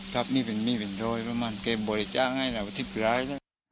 ครับมีเป็นร้อยประมาณเกมบริจาค์ง่ายแล้วที่ผิดร้าย